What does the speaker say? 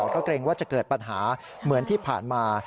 ก็เกรงว่าจะเกิดปัญหาเหมือนที่ผ่านมา